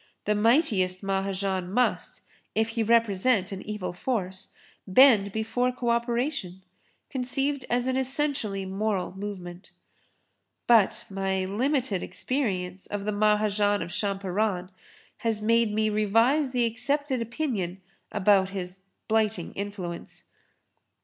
The mightiest Mahajan must, if he represent an evil force, bend before co operation, conceived as an essentially moral movement. But my limited experience of the Mahajan of Champaran has made me revise the accepted opinion about his 'blighting influence.'